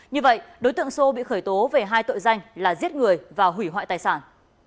như vậy đối tượng sô bị khởi tố về hai tội danh là giết người và hủy hoại tài sản